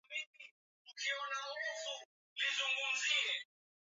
ya siku yake ya kuzaliwa ya tarehe ishirini na sita na Hoover akageuka hamsini